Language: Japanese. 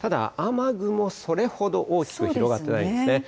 ただ、雨雲、それほど大きく広がってないんですね。